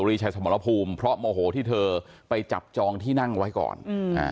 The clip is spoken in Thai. รีชัยสมรภูมิเพราะโมโหที่เธอไปจับจองที่นั่งไว้ก่อนอืมอ่า